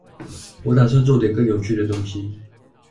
我打算做點更有趣的東西